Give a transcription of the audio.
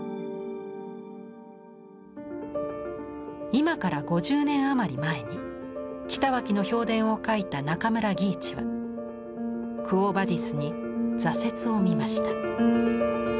今から５０年余り前に北脇の評伝を書いた中村義一は「クォ・ヴァディス」に挫折を見ました。